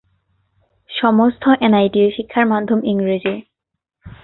সমস্ত এনআইটি-র শিক্ষার মাধ্যম ইংরেজি।